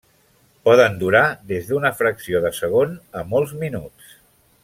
Poden durar des d'una fracció de segon a molts minuts.